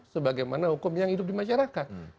sebagaimana hukum yang hidup di masyarakat